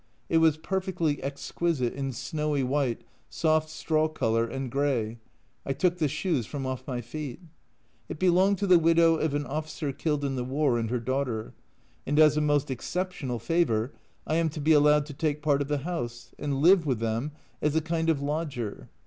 It was perfectly exquisite in snowy white, soft straw colour, and grey I took the shoes from off my feet. It belonged to the widow of an officer killed in the war and her daughter ; and as a most exceptional favour I am to be allowed to take part of the house and live with them as a kind of lodger.